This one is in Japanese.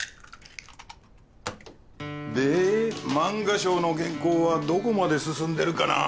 で漫画賞の原稿はどこまで進んでるかな？